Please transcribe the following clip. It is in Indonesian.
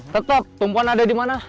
tetap tumpuan ada di mana